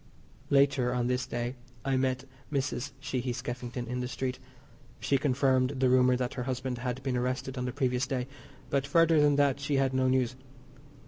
Later on this day I met Mrs. Sheehy Skeffington in the street. She confirmed the rumour that her husband had been arrested on the previous day, but further than that she had no news.